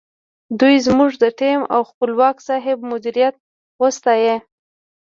دوی زموږ د ټیم او خپلواک صاحب مدیریت وستایه.